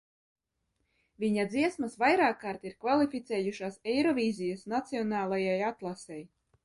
Viņa dziesmas vairākkārt ir kvalificējušās Eirovīzijas nacionālajai atlasei.